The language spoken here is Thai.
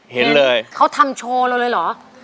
เห็นเลยเขาทำโชว์เราเลยเหรอ